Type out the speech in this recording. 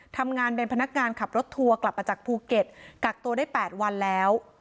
ทำงานเป็นพนักงานขับรถทัวร์กลับมาจากภูเก็ตกักตัวได้๘วันแล้ว